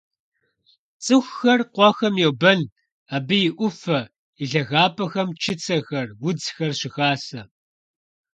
ЦӀыхухэр къуэхэм йобэн: абы и Ӏуфэ, и лъагапӀэхэм чыцэхэр, удзхэр щыхасэ.